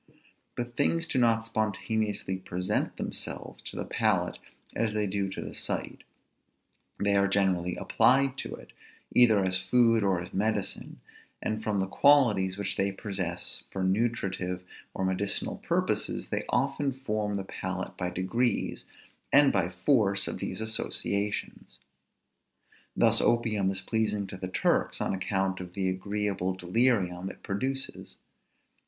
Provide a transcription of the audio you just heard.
But things do not spontaneously present themselves to the palate as they do to the sight; they are generally applied to it, either as food or as medicine; and from the qualities which they possess for nutritive or medicinal purposes they often form the palate by degrees, and by force of these associations. Thus opium is pleasing to Turks, on account of the agreeable delirium it produces.